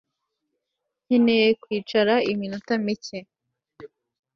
Nkeneye kwicara iminota mike